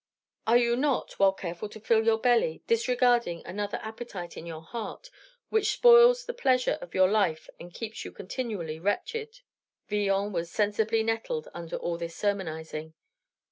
Are you not, while careful to fill your belly, disregarding another appetite in your heart, which spoils the pleasure of your life and keeps you continually wretched?" Villon was sensibly nettled under all this sermonizing.